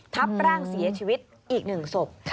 ทับร่างเสียชีวิตอีก๑ศพ